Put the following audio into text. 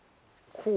こう？